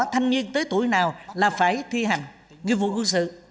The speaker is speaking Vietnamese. thanh niên tới tuổi nào là phải thi hành nghiệp vụ quân sự